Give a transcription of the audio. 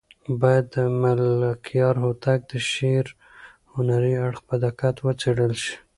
باید د ملکیار هوتک د شعر هنري اړخ په دقت وڅېړل شي.